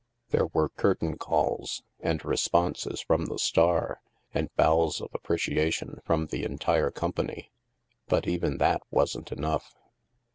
There were curtain calls, and responses from the star, and bows of appreciation from the entire com pany; but even that wasn't enough.